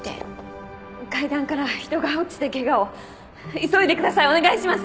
階段から人が落ちてケガを急いでくださいお願いします！